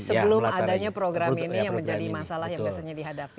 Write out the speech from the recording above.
sebelum adanya program ini yang menjadi masalah